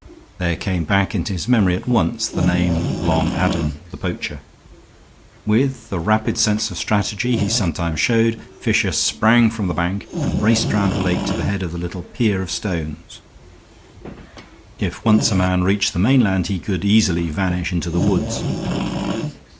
There came back into his memory at once the name Long Adam, the poacher. With a rapid sense of strategy he sometimes showed, Fisher sprang from the bank and raced round the lake to the head of the little pier of stones. If once a man reached the mainland he could easily vanish into the woods.